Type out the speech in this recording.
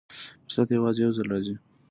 فرصت یوازې یو ځل راځي.